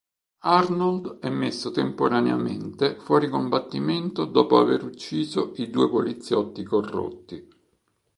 Arnold è messo temporaneamente fuori combattimento dopo aver ucciso i due poliziotti corrotti.